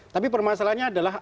tapi permasalahnya adalah